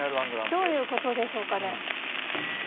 どういうことでしょうかね？